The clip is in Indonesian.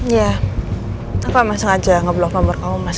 iya aku emang sengaja ngeblok nomor kamu mas